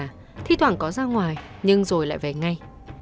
lợi quay quanh quần ở nhà thi thoảng có ra ngoài nhưng rồi lại về ngay